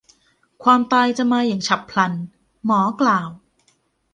ความตายจะมาอย่างฉับพลัน หมอกล่าว